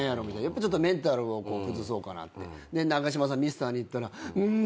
やっぱメンタルを崩そうかなって長嶋さんミスターに言ったら「うん。